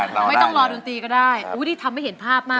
ไม่ต้องรอดนตรีก็ได้อุ้ยนี่ทำให้เห็นภาพมาก